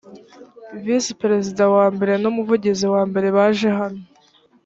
visi perezida wa mbere nu umuvugizi wa mbere baje hano